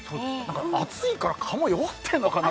暑いから蚊も弱ってるのかなって。